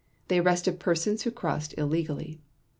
They arrested persons who crossed illegally.